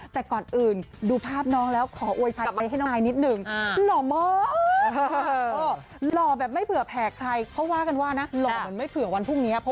แต่ก่อนอื่นดูภาพน้องแล้วขอโวยชัดให้น้องนายนิดนึง